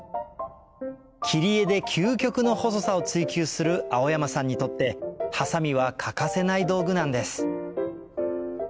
切り絵で究極の細さを追求する蒼山さんにとってハサミは欠かせない道具なんです